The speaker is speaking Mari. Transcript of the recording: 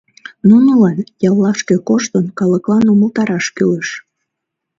Нунылан, яллашке коштын, калыклан умылтараш кӱлеш.